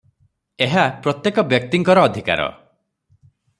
ଏହା ପ୍ରତ୍ୟେକ ବ୍ୟକ୍ତିଙ୍କର ଅଧିକାର ।